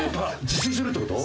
自炊するってこと？